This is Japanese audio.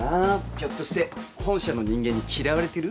ひょっとして本社の人間に嫌われてる？